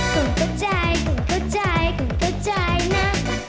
คุณเข้าใจคุณเข้าใจคุณเข้าใจนะ